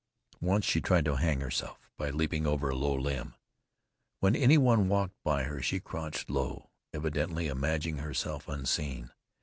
Once she tried to hang herself by leaping over a low limb. When any one walked by her she crouched low, evidently imagining herself unseen.